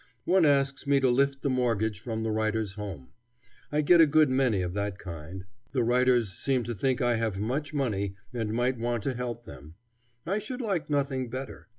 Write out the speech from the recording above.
One asks me to lift the mortgage from the writer's home. I get a good many of that kind. The writers seem to think I have much money and might want to help them. I should like nothing better.